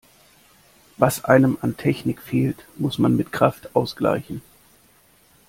Was einem an Technik fehlt, muss man mit Kraft ausgleichen.